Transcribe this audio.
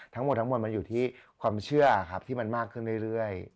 ทั้งหมดทั้งหมดมันอยู่ที่ความเชื่อครับที่มันมากขึ้นเรื่อย